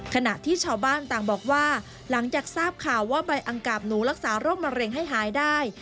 ขณะที่ชาวบ้านต่างบอกว่าหลังจากทราบข่าวว่าใบอังกาบหนูรักษาโรคมะเร็งให้หายได้